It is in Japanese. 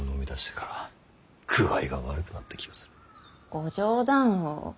ご冗談を。